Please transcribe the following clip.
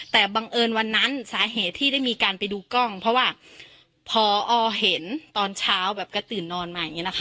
แต่บังเอิญวันนั้นสาเหตุที่ได้มีการไปดูกล้องเพราะว่าพอเห็นตอนเช้าแบบก็ตื่นนอนมาอย่างนี้นะคะ